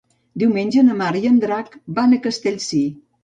Diumenge na Mar i en Drac van a Castellcir.